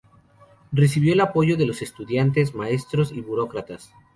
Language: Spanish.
Recibió el apoyo de los estudiantes, maestros y burócratas.